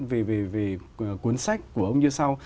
về cuốn sách của ông như sau